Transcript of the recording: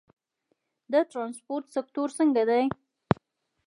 د ترانسپورت سکتور څنګه دی؟